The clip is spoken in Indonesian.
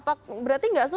selain sebagai negara